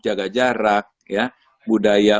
jaga jarak ya budaya